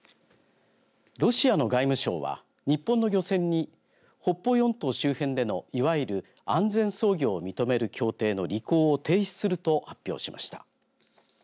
ロシアの外務省は、日本の漁船に北方四島周辺での、いわゆる安全操業を認める協定の履行を停止すると発表しました。